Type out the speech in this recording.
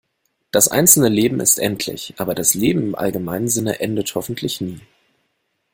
Das einzelne Leben ist endlich, aber das Leben im allgemeinen Sinne endet hoffentlich nie.